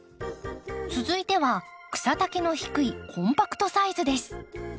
続いては草丈の低いコンパクトサイズです。